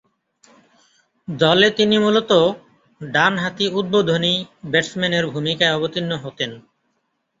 দলে তিনি মূলতঃ ডানহাতি উদ্বোধনী ব্যাটসম্যানের ভূমিকায় অবতীর্ণ হতেন।